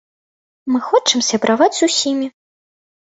Мы хочам сябраваць з усімі.